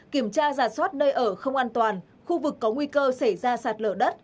kiểm tra giả soát nơi ở không an toàn khu vực có nguy cơ xảy ra sạt lở đất